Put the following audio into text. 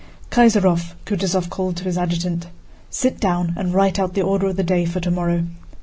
"Kaysárov!" Kutúzov called to his adjutant. "Sit down and write out the order of the day for tomorrow.